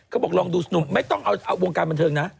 บอกลองดูหนุ่มไม่ต้องเอาวงการบันเทิงนะ